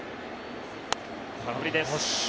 空振りです。